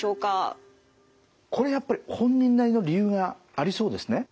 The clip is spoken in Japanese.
これやっぱり本人なりの理由がありそうですね。